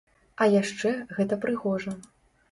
А яшчэ гэта прыгожа.